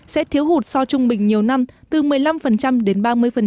sẽ thiếu hụt so trung bình nhiều năm từ một mươi năm đến ba mươi